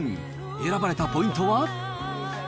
選ばれたポイントは？